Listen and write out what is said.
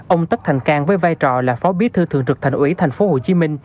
ông tất thành cang với vai trò là phó bí thư thượng trực thành ủy tp hcm